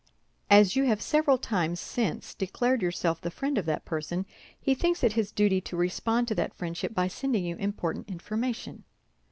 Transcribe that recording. As you have several times since declared yourself the friend of that person, he thinks it his duty to respond to that friendship by sending you important information.